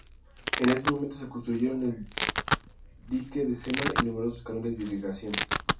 En ese momento se construyeron el dique de Sennar y numerosos canales de irrigación.